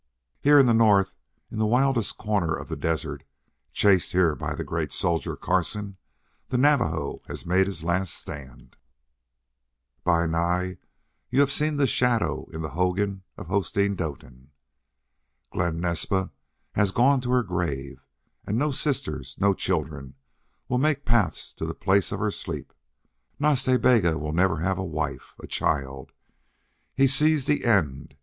Here in the north, in the wildest corner of the desert, chased here by the great soldier, Carson, the Navajo has made his last stand. "Bi Nai, you have seen the shadow in the hogan of Hosteen Doetin. Glen Naspa has gone to her grave, and no sisters, no children, will make paths to the place of her sleep. Nas Ta Bega will never have a wife a child. He sees the end.